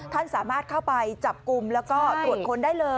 ท่านสามารถเข้าไปจับกลุ่มแล้วก็ตรวจค้นได้เลย